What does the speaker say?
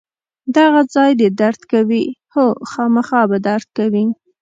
دغه ځای دې درد کوي؟ هو، خامخا به درد کوي.